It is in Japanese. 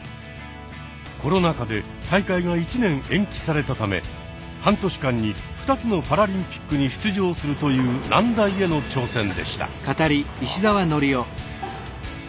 コロナ禍で大会が１年延期されたため半年間に２つのパラリンピックに出場するという難題への挑戦でした。